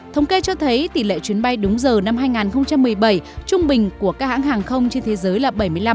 thống kê cho thấy tỷ lệ chuyến bay đúng giờ năm hai nghìn một mươi bảy trung bình của các hãng hàng không trên thế giới là bảy mươi năm